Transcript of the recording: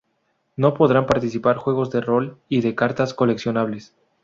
No podrán participar juegos de rol y de cartas coleccionables.